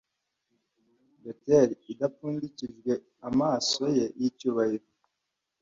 Batteri idapfundikijwe amaso ye yicyubahiro